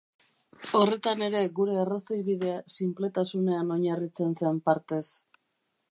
Horretan ere gure arrazoibidea sinpletasunean oinarritzen zen partez.